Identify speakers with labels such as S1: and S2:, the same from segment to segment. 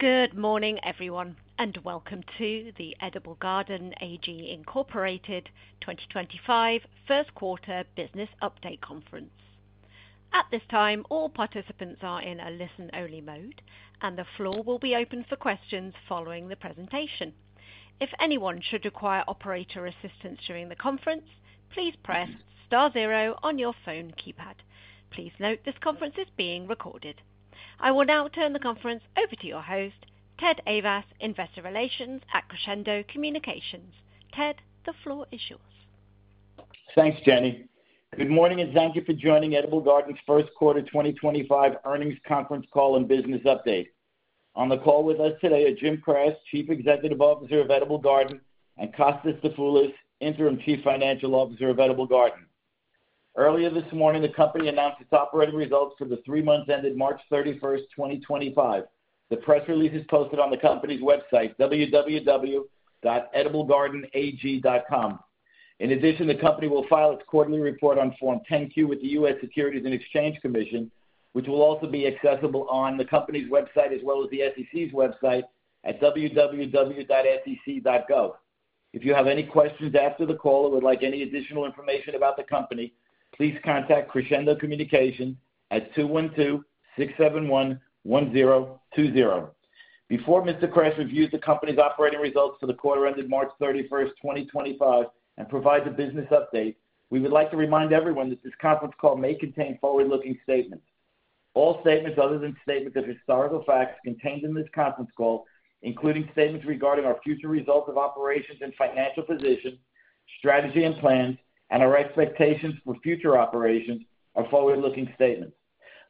S1: Good morning, everyone, and welcome to the Edible Garden AG Incorporated 2025 First Quarter Business Update Conference. At this time, all participants are in a listen-only mode, and the floor will be open for questions following the presentation. If anyone should require operator assistance during the conference, please press star zero on your phone keypad. Please note this conference is being recorded. I will now turn the conference over to your host, Ted Ayvas, Investor Relations at Crescendo Communications. Ted, the floor is yours.
S2: Thanks, Jenny. Good morning, and thank you for joining Edible Garden's First Quarter 2025 Earnings Conference Call and Business Update. On the call with us today are Jim Kras, Chief Executive Officer of Edible Garden, and Kostas Dafoulas, Interim Chief Financial Officer of Edible Garden. Earlier this morning, the company announced its operating results for the three months ended March 31, 2025. The press release is posted on the company's website, www.ediblegardenag.com. In addition, the company will file its quarterly report on Form 10-Q with the U.S. Securities and Exchange Commission, which will also be accessible on the company's website as well as the SEC's website at www.sec.gov. If you have any questions after the call or would like any additional information about the company, please contact Crescendo Communications at 212-671-1020. Before Mr. Kras reviews the company's operating results for the quarter ended March 31, 2025, and provides a business update. We would like to remind everyone that this conference call may contain forward-looking statements. All statements other than statements of historical facts contained in this conference call, including statements regarding our future results of operations and financial position, strategy and plans, and our expectations for future operations, are forward-looking statements.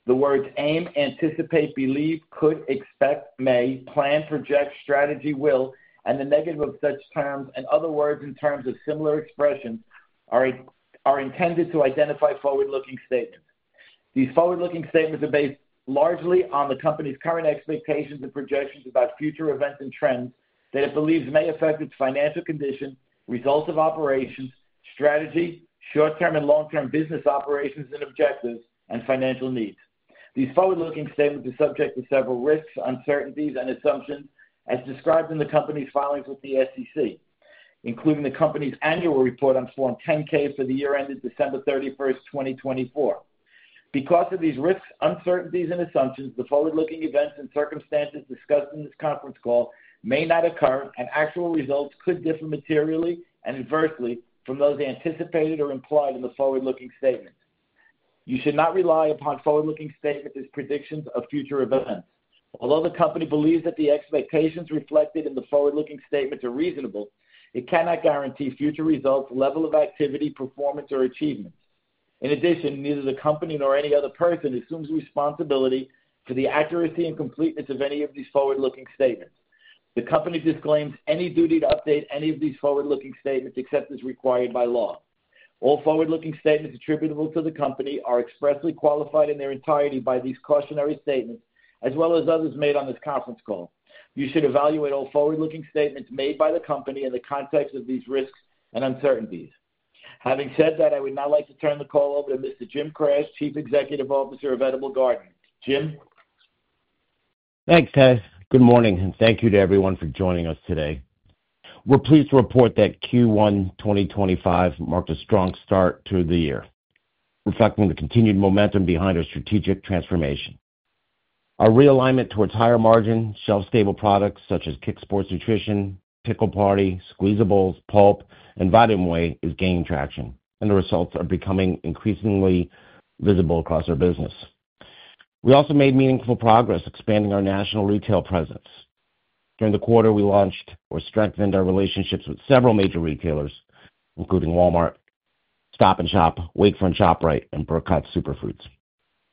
S2: The words aim, anticipate, believe, could, expect, may, plan, project, strategy, will, and the negative of such terms and other words and terms of similar expressions are intended to identify forward-looking statements. These forward-looking statements are based largely on the company's current expectations and projections about future events and trends that it believes may affect its financial condition, results of operations, strategy, short-term and long-term business operations and objectives, and financial needs. These forward-looking statements are subject to several risks, uncertainties, and assumptions, as described in the company's filings with the SEC, including the company's annual report on Form 10K for the year ended December 31, 2024. Because of these risks, uncertainties, and assumptions, the forward-looking events and circumstances discussed in this conference call may not occur, and actual results could differ materially and adversely from those anticipated or implied in the forward-looking statement. You should not rely upon forward-looking statements as predictions of future events. Although the company believes that the expectations reflected in the forward-looking statements are reasonable, it cannot guarantee future results, level of activity, performance, or achievements. In addition, neither the company nor any other person assumes responsibility for the accuracy and completeness of any of these forward-looking statements. The company disclaims any duty to update any of these forward-looking statements except as required by law. All forward-looking statements attributable to the company are expressly qualified in their entirety by these cautionary statements, as well as others made on this conference call. You should evaluate all forward-looking statements made by the company in the context of these risks and uncertainties. Having said that, I would now like to turn the call over to Mr. Jim Kras, Chief Executive Officer of Edible Garden. Jim.
S3: Thanks, Ted. Good morning, and thank you to everyone for joining us today. We're pleased to report that Q1 2025 marked a strong start to the year, reflecting the continued momentum behind our strategic transformation. Our realignment towards higher margin, shelf-stable products such as Kick Sports Nutrition, Pickle Party, Squeezables, Pulp, and Vitamin Way is gaining traction, and the results are becoming increasingly visible across our business. We also made meaningful progress expanding our national retail presence. During the quarter, we launched or strengthened our relationships with several major retailers, including Walmart, Stop & Shop, Wakefern ShopRite, and Burkhart Superfruits.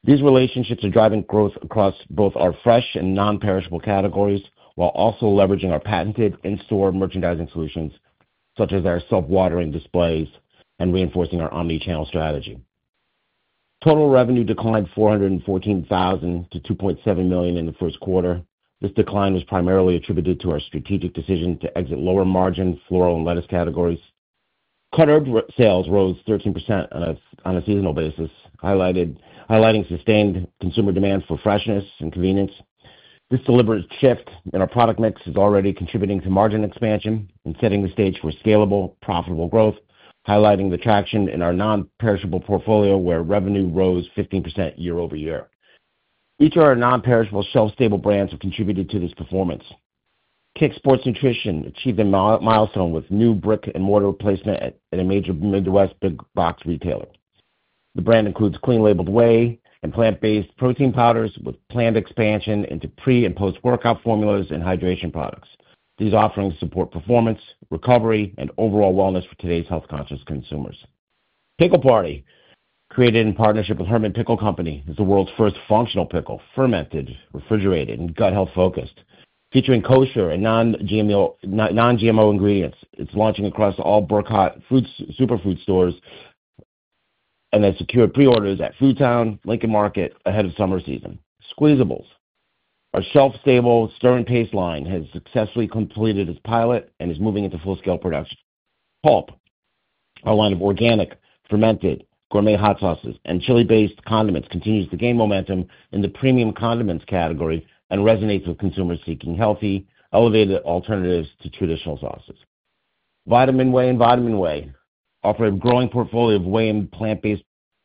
S3: These relationships are driving growth across both our fresh and non-perishable categories while also leveraging our patented in-store merchandising solutions, such as our self-watering display technology, and reinforcing our omnichannel strategy. Total revenue declined $414,000 to $2.7 million in the first quarter. This decline was primarily attributed to our strategic decision to exit lower margin floral and lettuce categories. Cut herb sales rose 13% on a seasonal basis, highlighting sustained consumer demand for freshness and convenience. This deliberate shift in our product mix is already contributing to margin expansion and setting the stage for scalable, profitable growth, highlighting the traction in our non-perishable portfolio where revenue rose 15% year over year. Each of our non-perishable shelf-stable brands have contributed to this performance. Kick Sports Nutrition achieved a milestone with new brick-and-mortar placement at a major Midwest big-box retailer. The brand includes clean-labeled whey and plant-based protein powders with planned expansion into pre- and post-workout formulas and hydration products. These offerings support performance, recovery, and overall wellness for today's health-conscious consumers. Pickle Party, created in partnership with Hermann Pickle Company, is the world's first functional pickle, fermented, refrigerated, and gut-health-focused, featuring kosher and non-GMO ingredients. It's launching across all Burkhart Superfruits stores and has secured pre-orders at Food Town, Lincoln Market, ahead of summer season. Squeezables, our shelf-stable stirring paste line, has successfully completed its pilot and is moving into full-scale production. Pulp, our line of organic, fermented, gourmet hot sauces and chili-based condiments, continues to gain momentum in the premium condiments category and resonates with consumers seeking healthy, elevated alternatives to traditional sauces. Vitamin Way and Vitamin Whey offer a growing portfolio of whey and plant-based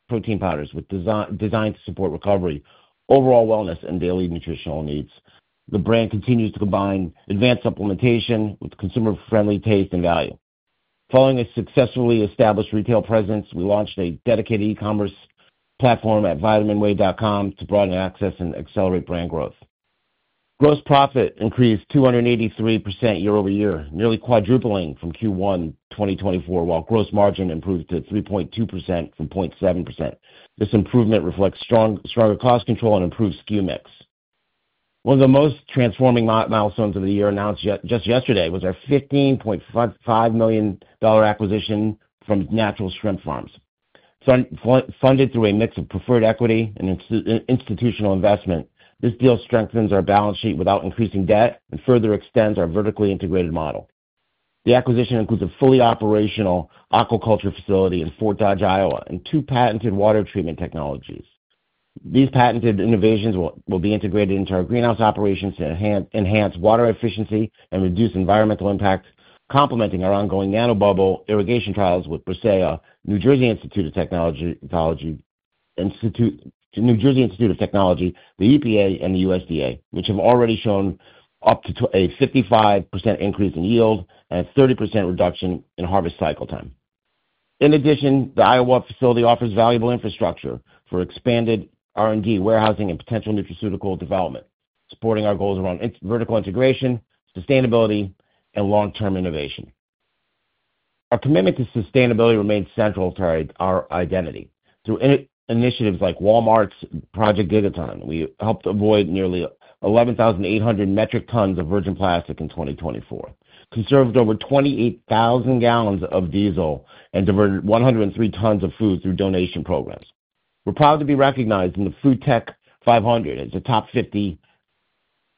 S3: protein powders designed to support recovery, overall wellness, and daily nutritional needs. The brand continues to combine advanced supplementation with consumer-friendly taste and value. Following a successfully established retail presence, we launched a dedicated e-commerce platform at vitaminway.com to broaden access and accelerate brand growth. Gross profit increased 283% year over year, nearly quadrupling from Q1 2024, while gross margin improved to 3.2% from 0.7%. This improvement reflects stronger cost control and improved SKU mix. One of the most transforming milestones of the year announced just yesterday was our $15.5 million acquisition from Natural Shrimp Farms. Funded through a mix of preferred equity and institutional investment, this deal strengthens our balance sheet without increasing debt and further extends our vertically integrated model. The acquisition includes a fully operational aquaculture facility in Fort Dodge, Iowa, and two patented water treatment technologies. These patented innovations will be integrated into our greenhouse operations to enhance water efficiency and reduce environmental impact, complementing our ongoing nanobubble irrigation trials with Brisea, New Jersey Institute of Technology, the EPA, and the USDA, which have already shown up to a 55% increase in yield and a 30% reduction in harvest cycle time. In addition, the Iowa facility offers valuable infrastructure for expanded R&D, warehousing, and potential nutraceutical development, supporting our goals around vertical integration, sustainability, and long-term innovation. Our commitment to sustainability remains central to our identity. Through initiatives like Walmart's Project Gigaton, we helped avoid nearly 11,800 metric tons of virgin plastic in 2024, conserved over 28,000 gallons of diesel, and diverted 103 tons of food through donation programs. We're proud to be recognized in the Food Tech 500 as a top 50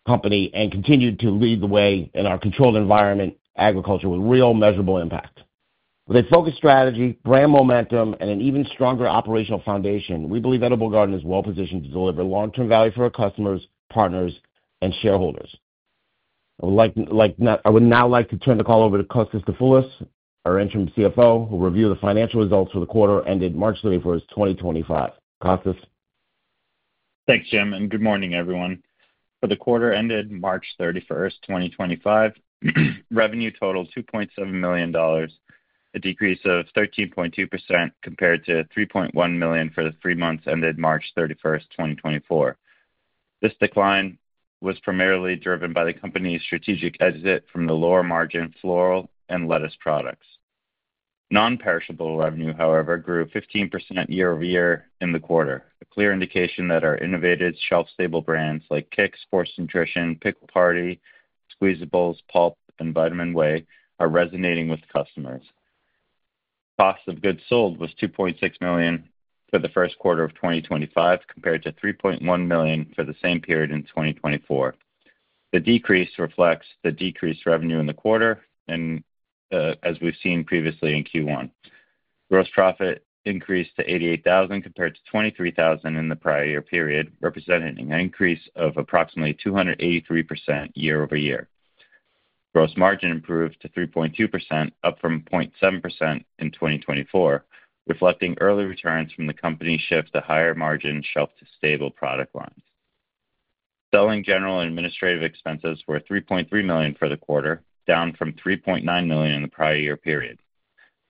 S3: company and continue to lead the way in our controlled environment agriculture with real measurable impact. With a focused strategy, brand momentum, and an even stronger operational foundation, we believe Edible Garden is well-positioned to deliver long-term value for our customers, partners, and shareholders. I would now like to turn the call over to Kostas Dafoulas, our Interim CFO, who will review the financial results for the quarter ended March 31, 2025. Kostas.
S4: Thanks, Jim. Good morning, everyone. For the quarter ended March 31, 2025, revenue totaled $2.7 million, a decrease of 13.2% compared to $3.1 million for the three months ended March 31, 2024. This decline was primarily driven by the company's strategic exit from the lower margin floral and lettuce products. Non-perishable revenue, however, grew 15% year over year in the quarter, a clear indication that our innovative shelf-stable brands like Kick Sports Nutrition, Pickle Party, Squeezables, Pulp, and Vitamin Way are resonating with customers. Cost of goods sold was $2.6 million for the first quarter of 2025 compared to $3.1 million for the same period in 2024. The decrease reflects the decreased revenue in the quarter, as we've seen previously in Q1. Gross profit increased to $88,000 compared to $23,000 in the prior year period, representing an increase of approximately 283% year over year. Gross margin improved to 3.2%, up from 0.7% in 2024, reflecting early returns from the company's shift to higher margin shelf-stable product lines. Selling, general and administrative expenses were $3.3 million for the quarter, down from $3.9 million in the prior year period.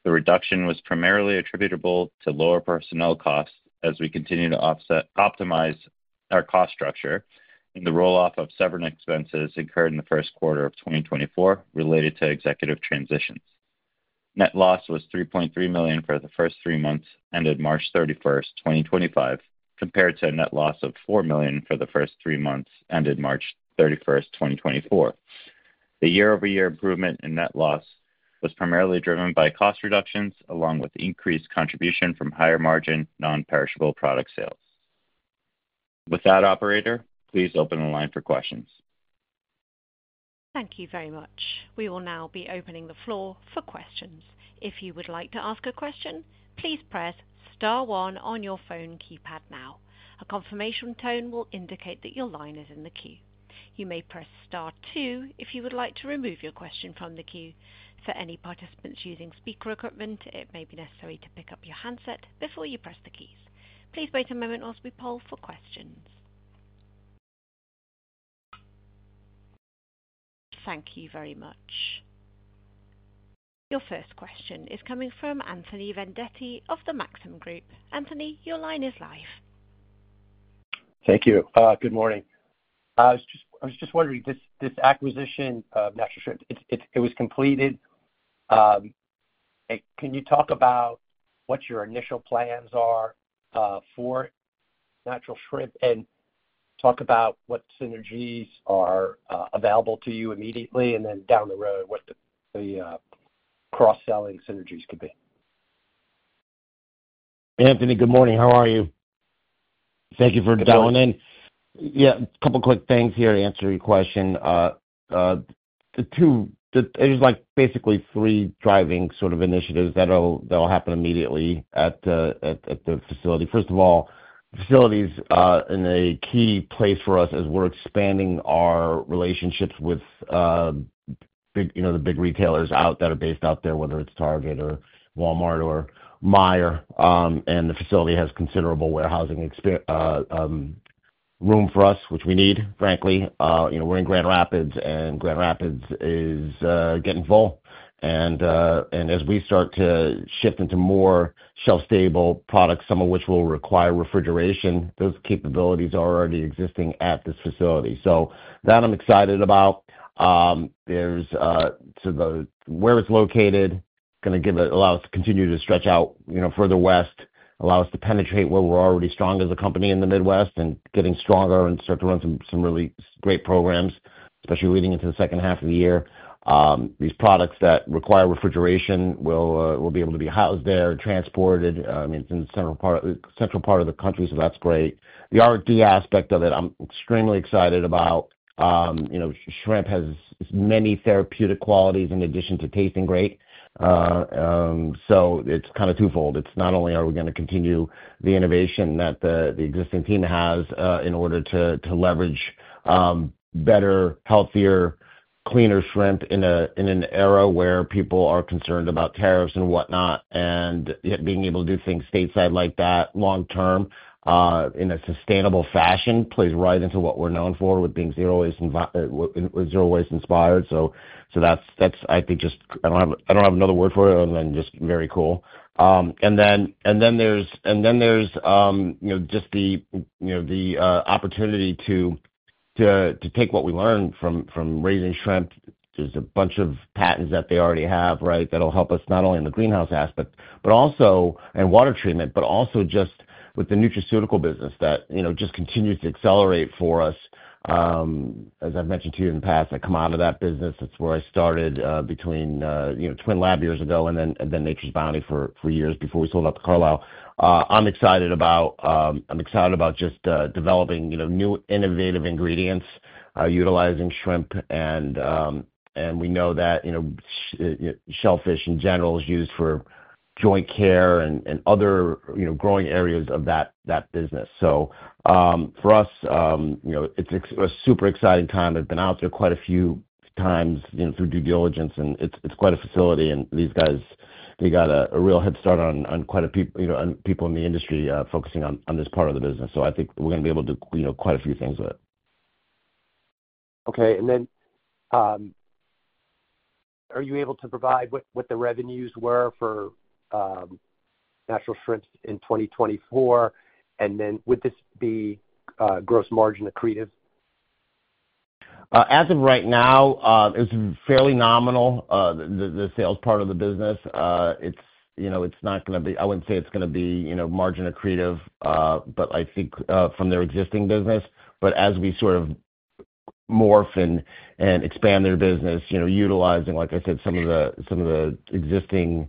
S4: The reduction was primarily attributable to lower personnel costs as we continue to optimize our cost structure and the roll-off of severance expenses incurred in the first quarter of 2024 related to executive transitions. Net loss was $3.3 million for the first three months ended March 31, 2025, compared to a net loss of $4 million for the first three months ended March 31, 2024. The year-over-year improvement in net loss was primarily driven by cost reductions along with increased contribution from higher margin non-perishable product sales. With that, operator, please open the line for questions.
S1: Thank you very much. We will now be opening the floor for questions. If you would like to ask a question, please press star one on your phone keypad now. A confirmation tone will indicate that your line is in the queue. You may press star two if you would like to remove your question from the queue. For any participants using speaker equipment, it may be necessary to pick up your handset before you press the keys. Please wait a moment whilst we poll for questions. Thank you very much. Your first question is coming from Anthony Vendetti of Maxim Group. Anthony, your line is live.
S5: Thank you. Good morning. I was just wondering, this acquisition of Natural Shrimp, it was completed. Can you talk about what your initial plans are for Natural Shrimp and talk about what synergies are available to you immediately and then down the road what the cross-selling synergies could be?
S3: Anthony, good morning. How are you? Thank you for dialing in. Yeah, a couple of quick things here to answer your question. There's basically three driving sort of initiatives that'll happen immediately at the facility. First of all, facility's in a key place for us as we're expanding our relationships with the big retailers out that are based out there, whether it's Target or Walmart or Meijer. The facility has considerable warehousing room for us, which we need, frankly. We're in Grand Rapids, and Grand Rapids is getting full. As we start to shift into more shelf-stable products, some of which will require refrigeration, those capabilities are already existing at this facility. That I'm excited about. Where it's located, it's going to allow us to continue to stretch out further west, allow us to penetrate where we're already strong as a company in the Midwest and getting stronger and start to run some really great programs, especially leading into the second half of the year. These products that require refrigeration will be able to be housed there and transported. I mean, it's in the central part of the country, so that's great. The R&D aspect of it, I'm extremely excited about. Shrimp has many therapeutic qualities in addition to tasting great. It's kind of twofold. It's not only are we going to continue the innovation that the existing team has in order to leverage better, healthier, cleaner shrimp in an era where people are concerned about tariffs and whatnot. Being able to do things stateside like that long-term in a sustainable fashion plays right into what we're known for with being zero-waste inspired. I think just I don't have another word for it other than just very cool. There is just the opportunity to take what we learned from raising shrimp. There are a bunch of patents that they already have, right, that will help us not only in the greenhouse aspect and water treatment, but also just with the nutraceutical business that just continues to accelerate for us. As I've mentioned to you in the past, I come out of that business. It's where I started between Twinlab years ago and then Nature's Bounty for years before we sold out to Carlyle. I'm excited about just developing new innovative ingredients utilizing shrimp. We know that shellfish, in general, is used for joint care and other growing areas of that business. For us, it's a super exciting time. I've been out there quite a few times through due diligence, and it's quite a facility. These guys got a real head start on quite a few people in the industry focusing on this part of the business. I think we're going to be able to do quite a few things with it.
S5: Okay. Are you able to provide what the revenues were for Natural Shrimp in 2024? Would this be gross margin accretive?
S3: As of right now, it's fairly nominal, the sales part of the business. It's not going to be, I wouldn't say it's going to be margin accretive, but I think from their existing business. As we sort of morph and expand their business, utilizing, like I said, some of the existing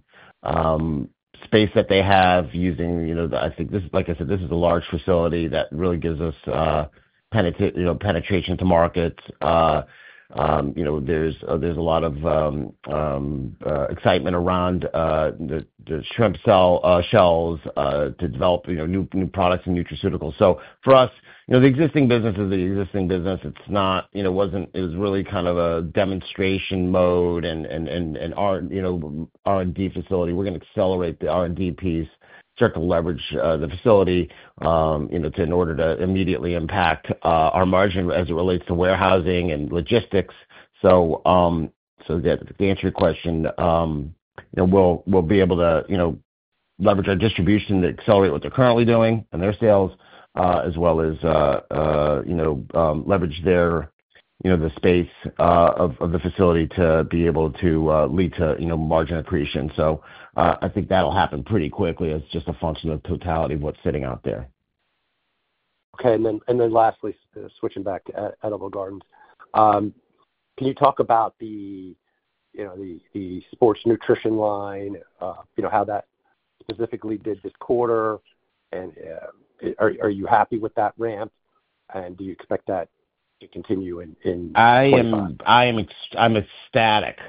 S3: space that they have using, I think, like I said, this is a large facility that really gives us penetration to markets. There's a lot of excitement around the shrimp shells to develop new products and nutraceuticals. For us, the existing business is the existing business. It was really kind of a demonstration mode and R&D facility. We're going to accelerate the R&D piece, start to leverage the facility in order to immediately impact our margin as it relates to warehousing and logistics. To answer your question, we'll be able to leverage our distribution to accelerate what they're currently doing and their sales, as well as leverage the space of the facility to be able to lead to margin accretion. I think that'll happen pretty quickly as just a function of totality of what's sitting out there.
S5: Okay. Lastly, switching back to Edible Garden, can you talk about the sports nutrition line, how that specifically did this quarter? Are you happy with that ramp? Do you expect that to continue in 2025?
S3: I am ecstatic.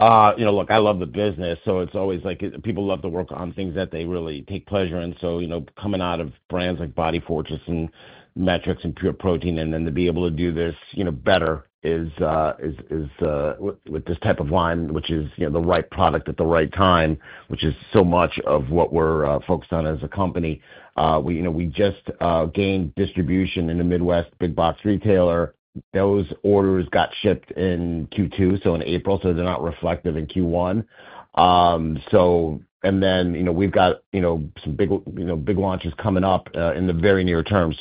S3: Look, I love the business. It is always like people love to work on things that they really take pleasure in. Coming out of brands like Body Fortress and Metrics and Pure Protein, and then to be able to do this better with this type of line, which is the right product at the right time, which is so much of what we are focused on as a company. We just gained distribution in the Midwest, big box retailer. Those orders got shipped in Q2, in April, so they are not reflective in Q1. We have some big launches coming up in the very near term.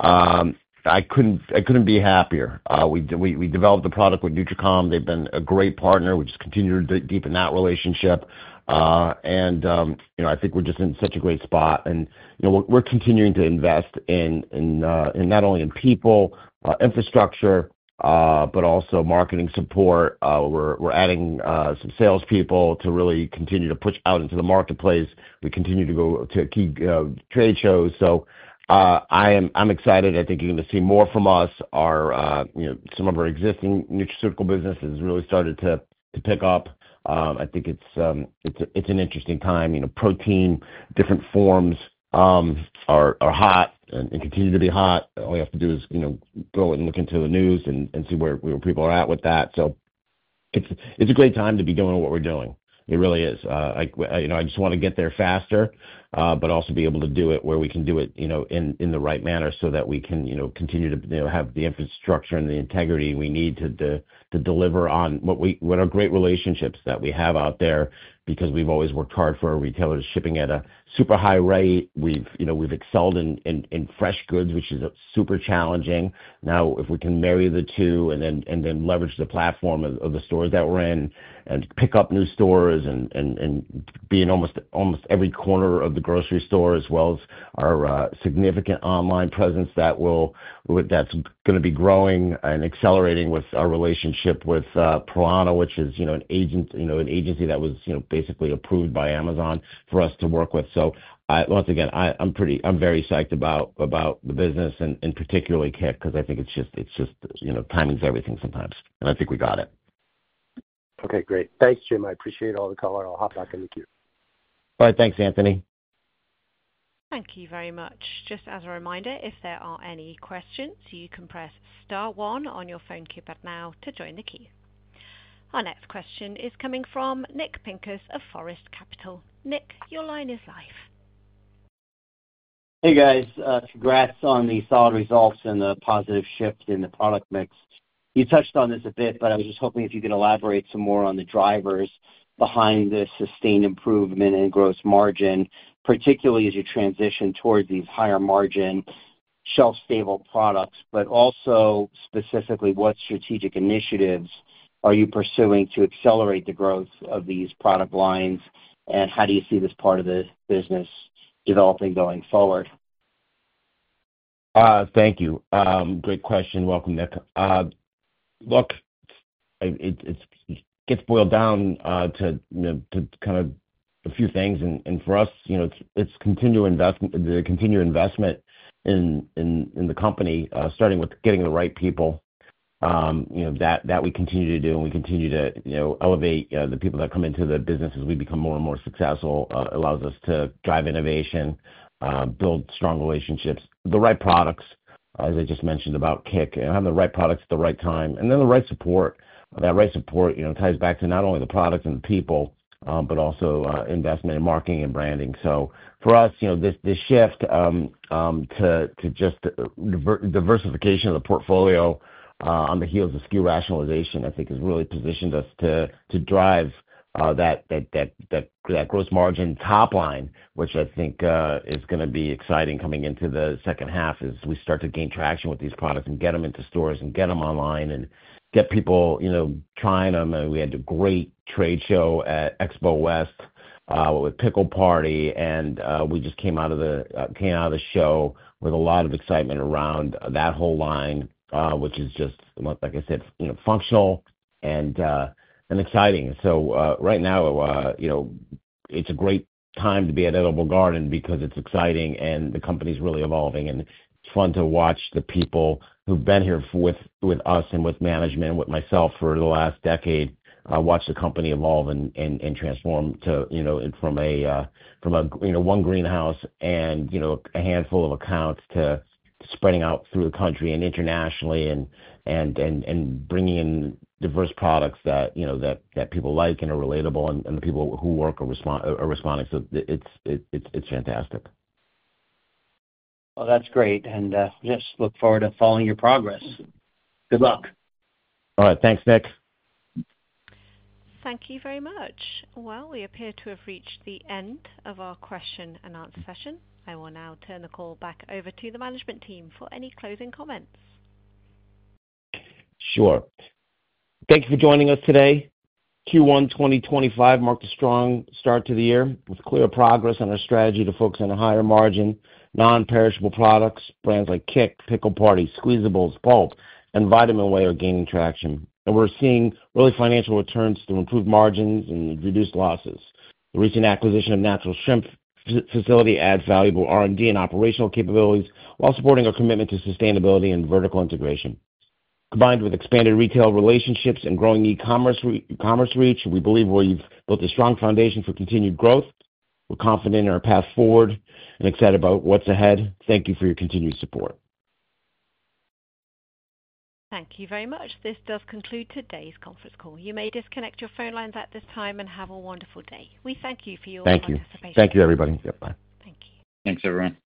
S3: I could not be happier. We developed the product with NutriCom. They have been a great partner. We just continue to deepen that relationship. I think we are just in such a great spot. We're continuing to invest in not only people, infrastructure, but also marketing support. We're adding some salespeople to really continue to push out into the marketplace. We continue to go to key trade shows. I'm excited. I think you're going to see more from us. Some of our existing nutraceutical business has really started to pick up. I think it's an interesting time. Protein, different forms are hot and continue to be hot. All we have to do is go and look into the news and see where people are at with that. It's a great time to be doing what we're doing. It really is. I just want to get there faster, but also be able to do it where we can do it in the right manner so that we can continue to have the infrastructure and the integrity we need to deliver on what are great relationships that we have out there because we've always worked hard for our retailers, shipping at a super high rate. We've excelled in fresh goods, which is super challenging. Now, if we can marry the two and then leverage the platform of the stores that we're in and pick up new stores and be in almost every corner of the grocery store, as well as our significant online presence that's going to be growing and accelerating with our relationship with Prolana, which is an agency that was basically approved by Amazon for us to work with. Once again, I'm very psyched about the business, and particularly Kick, because I think it's just timing's everything sometimes. I think we got it.
S5: Okay. Great. Thanks, Jim. I appreciate all the call. I'll hop back in the queue.
S3: All right. Thanks, Anthony.
S1: Thank you very much. Just as a reminder, if there are any questions, you can press Star 1 on your phone keypad now to join the queue. Our next question is coming from Nick Pincus of Forest Capital. Nick, your line is live.
S6: Hey, guys. Congrats on the solid results and the positive shift in the product mix. You touched on this a bit, but I was just hoping if you could elaborate some more on the drivers behind the sustained improvement in gross margin, particularly as you transition towards these higher margin shelf-stable products, but also specifically what strategic initiatives are you pursuing to accelerate the growth of these product lines? How do you see this part of the business developing going forward?
S3: Thank you. Great question. Welcome, Nick. Look, it gets boiled down to kind of a few things. For us, it is the continued investment in the company, starting with getting the right people, that we continue to do. We continue to elevate the people that come into the business as we become more and more successful, which allows us to drive innovation, build strong relationships, the right products, as I just mentioned about Kick, and have the right products at the right time. The right support ties back to not only the product and the people, but also investment in marketing and branding. For us, this shift to just diversification of the portfolio on the heels of skew rationalization, I think, has really positioned us to drive that gross margin top line, which I think is going to be exciting coming into the second half as we start to gain traction with these products and get them into stores and get them online and get people trying them. We had a great trade show at Expo West with Pickle Party. We just came out of the show with a lot of excitement around that whole line, which is just, like I said, functional and exciting. Right now, it's a great time to be at Edible Garden because it's exciting and the company's really evolving. It is fun to watch the people who have been here with us and with management and with myself for the last decade watch the company evolve and transform from one greenhouse and a handful of accounts to spreading out through the country and internationally and bringing in diverse products that people like and are relatable and the people who work are responding. It is fantastic.
S6: That's great. I just look forward to following your progress. Good luck.
S3: All right. Thanks, Nick.
S1: Thank you very much. We appear to have reached the end of our question-and-answer session. I will now turn the call back over to the management team for any closing comments.
S3: Sure. Thank you for joining us today. Q1 2025 marked a strong start to the year with clear progress on our strategy to focus on higher margin, non-perishable products. Brands like Kick, Pickle Party, Squeezables, Pulp, and Vitamin Way are gaining traction. We are seeing real financial returns to improve margins and reduce losses. The recent acquisition of the Natural Shrimp Farms facility adds valuable R&D and operational capabilities while supporting our commitment to sustainability and vertical integration. Combined with expanded retail relationships and growing e-commerce reach, we believe we have built a strong foundation for continued growth. We are confident in our path forward and excited about what is ahead. Thank you for your continued support.
S1: Thank you very much. This does conclude today's conference call. You may disconnect your phone lines at this time and have a wonderful day. We thank you for your participation.
S3: Thank you. Thank you, everybody. Yep. Bye.
S1: Thank you.
S6: Thanks, everyone.